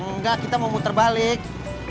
enggak kita mau muter balik